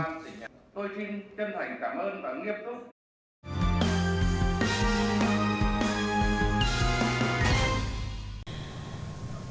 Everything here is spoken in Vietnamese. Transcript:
tôi xin chân thành cảm ơn và nghiệp thúc